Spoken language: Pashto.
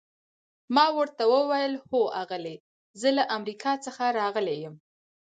ما ورته وویل: هو آغلې، زه له امریکا څخه راغلی یم.